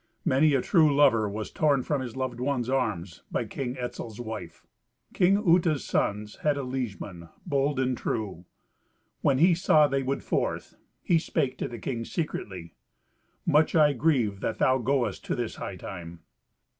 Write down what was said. Many a true lover was torn from his loved one's arms by King Etzel's wife. King Uta's sons had a liegeman bold and true. When he saw they would forth, he spake to the king secretly, "Much I grieve that thou goest to this hightide."